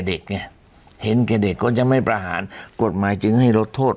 เด็กไงเห็นแก่เด็กก็จะไม่ประหารกฎหมายจึงให้ลดโทษ